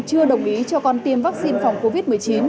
chưa đồng ý cho con tiêm vaccine phòng covid một mươi chín